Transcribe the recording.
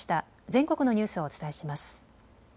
全国のニュースをお伝えします。